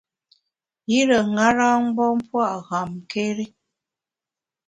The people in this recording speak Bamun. Yire ṅara-mgbom pua’ ghamkéri.